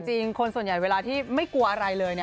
คนส่วนใหญ่เวลาที่ไม่กลัวอะไรเลย